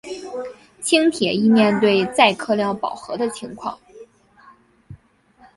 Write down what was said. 轻铁亦面对载客量饱和的情况。